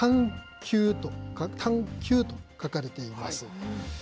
探究と書かれています。